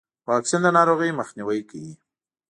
واکسین د ناروغیو مخنیوی کوي.